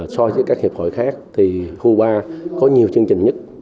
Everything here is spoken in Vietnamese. so với các hiệp hội khác thì cuba có nhiều chương trình nhất